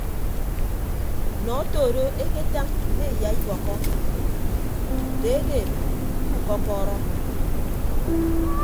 Nọ oto do eketañ mme iyaibọkkọ deedeeb ku kọkọrọ.